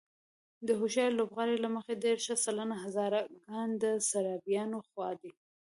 د هوښیارو لوبغاړو له مخې دېرش سلنه هزاره ګان د سرابيانو خوا دي.